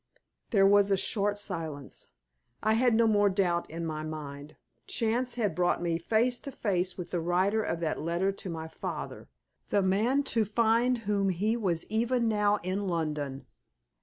There was a short silence. I had no more doubt in my mind. Chance had brought me face to face with the writer of that letter to my father, the man to find whom he was even now in London.